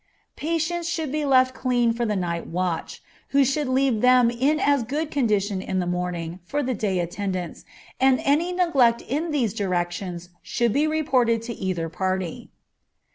Patients should be left clean for the night watch, who should leave them in as good condition in the morning, for the day attendants, and any neglect in these directions should be reported by either party.